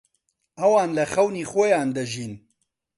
ئەوان لە خەونی خۆیان دەژین.